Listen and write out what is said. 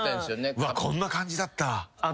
うわっこんな感じだった。